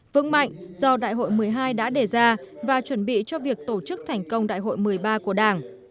vững mạnh do đại hội một mươi hai đã đề ra và chuẩn bị cho việc tổ chức thành công đại hội một mươi ba của đảng